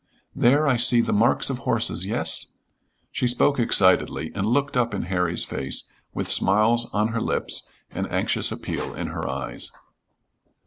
There I see the marks of horses, yes." She spoke excitedly, and looked up in Harry's face with smiles on her lips and anxious appeal in her eyes.